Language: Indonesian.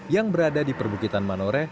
yang berada di perbukitan manoreh